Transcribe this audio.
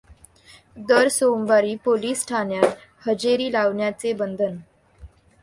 दर सोमवारी पोलीस ठाण्यात हजेरी लावण्याचे बंधन.